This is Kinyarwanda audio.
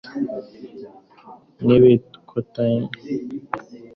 Nkibitonyanga kabiri byamazi bikurura